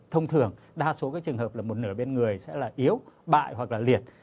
thông thường đa số các trường hợp là một nửa bên người sẽ là yếu bại hoặc là liệt